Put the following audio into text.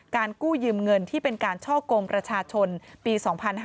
กู้ยืมเงินที่เป็นการช่อกงประชาชนปี๒๕๕๙